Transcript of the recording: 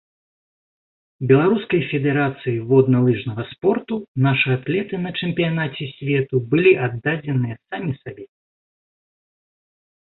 Беларускай федэрацыі водна-лыжнага спорту нашы атлеты на чэмпіянаце свету былі аддадзеныя самім сабе.